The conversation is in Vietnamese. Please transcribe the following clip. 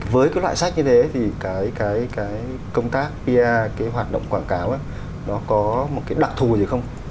với loại sách như thế thì công tác pr hoạt động quảng cáo có đặc thù gì không